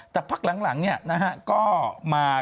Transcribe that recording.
แต่พักหลังเนี่ยนะฮะก็มา